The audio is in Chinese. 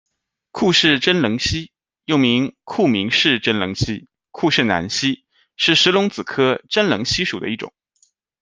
库氏真棱蜥，又名库明氏真棱蜥、库氏南蜥，是石龙子科真棱蜥属的一种。